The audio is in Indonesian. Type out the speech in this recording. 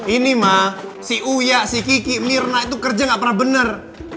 ini mah si uyak si kiki mirna itu kerja nggak pernah bener